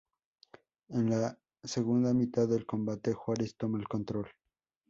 En la segunda mitad del combate Juárez tomó el control.